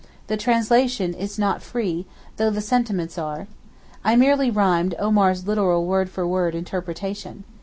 The translation is not free, though the sentiments are. I merely rhymed Omar's literal word for word interpretation.